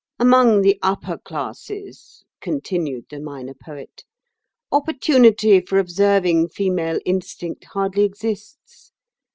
"Among the Upper Classes," continued the Minor Poet, "opportunity for observing female instinct hardly exists.